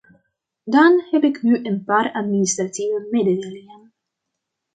Dan heb ik nu een paar administratieve mededelingen.